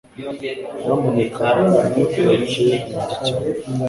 Nyamuneka ntuteke amagi cyane